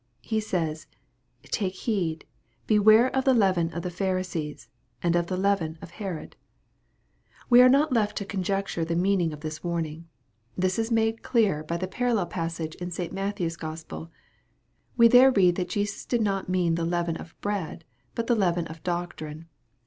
HQ says, " Take heed, beware of the leaven of the Pharisees, and of the leaven of Herod." We are not left to conjecture the meaning of this 158 EXPOSITORY THOUGHTS. warning. This is made clear by the parallel passage i& St. Matthew's Gospel. We there read that Jesus did nr^t mean the leaven of " bread," but the leaven of " doctrine."